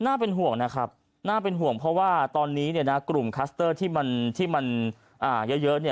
น่าเป็นห่วงนะครับน่าเป็นห่วงเพราะว่าตอนนี้กลุ่มคัสเตอร์ที่มันเยอะ